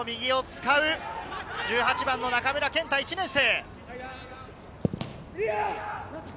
１８番の中村健太、１年生。